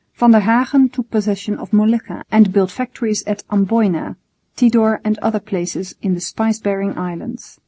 Van der Hagen took possession of Molucca and built factories at Amboina, Tidor and other places in the spice bearing islands.